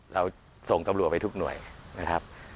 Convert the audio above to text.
เราส่งตำรวจไปทุกหน่วยนะครับ